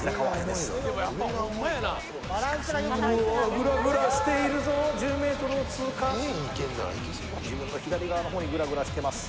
グラグラしているぞ１０ｍを通過自分の左側の方にグラグラしてます